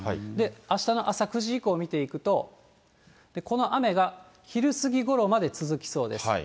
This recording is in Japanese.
あしたの朝９時以降を見ていくと、この雨が昼過ぎごろまで続きそうです。